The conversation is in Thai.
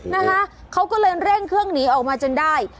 นะคะเขาก็เลยเร่งเครื่องหนีออกมาจนได้